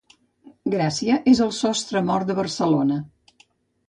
Gràcia és el sostremort de Barcelona.